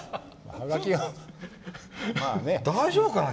大丈夫かな？